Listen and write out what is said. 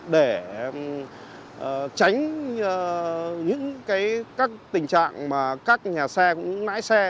để tránh những các tình trạng mà các nhà xe cũng nãi xe